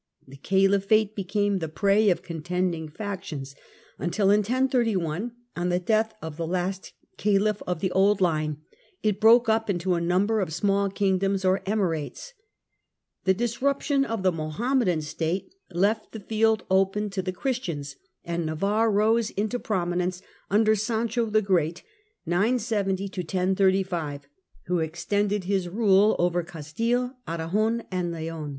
The caliphate became the prey of contending factions until, in 1031, on the death of the last caliph of the old line, it broke up into a number of small kingdoms or emirates. The disruption of the Mohammedan State left the field open to the Christians, and Navarre rose into Sancho the prominence under Sancho the Great, who extended his 970 1035 rule over Castile, Aragon, and Leon.